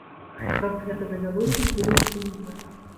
Праз гэта давялося кінуць універ!